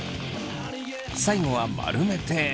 最後は丸めて。